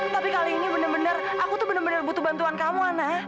tapi kali ini benar benar aku tuh benar benar butuh bantuan kamu ana